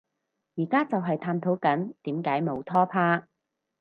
而家就係探討緊點解冇拖拍